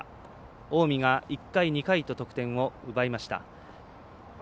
近江が１回、２回と得点を奪いました。